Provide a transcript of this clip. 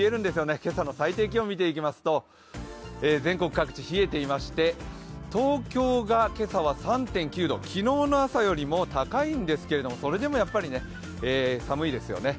今朝の最低気温を見てみますと東京が今朝は３．９度、昨日の朝よりも高いんですけれども、それでもやっぱり寒いですよね。